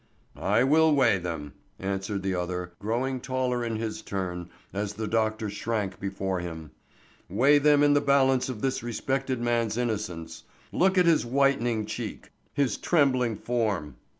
"I will weigh them," answered the other, growing taller in his turn as the doctor shrank before him; "weigh them in the balance of this respected man's innocence. Look at his whitening cheek, his trembling form!